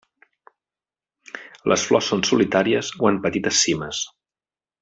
Les flors són solitàries o en petites cimes.